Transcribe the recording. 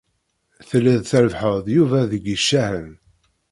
Telliḍ trebbḥeḍ Yuba deg yicahen.